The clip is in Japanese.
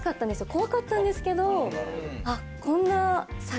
怖かったんですけどこんな。